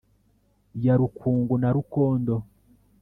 ya rukungu na rukondo